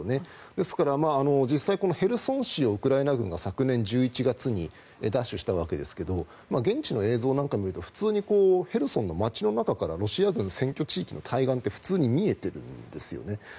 ですから実際、ヘルソン市をウクライナ軍が昨年１１月に奪取したわけですが現地の映像なんかを見ると普通にヘルソンの街の中からロシア軍占拠地域の対岸って普通に見えてるんですよね。